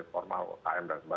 atau km dan sebagainya